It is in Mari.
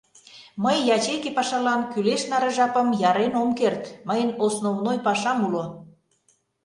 Мый ячейке пашалан кӱлеш наре жапым ярен ом керт, мыйын основной пашам уло...